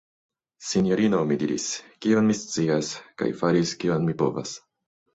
sinjorino, mi diris, kion mi scias, kaj faris, kion mi povas!